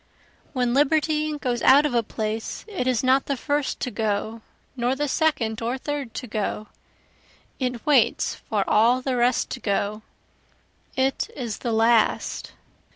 When liberty goes out of a place it is not the first to go, nor the second or third to go, It waits for all the rest to go, it is the last.